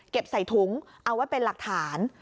ใส่ถุงเอาไว้เป็นหลักฐาน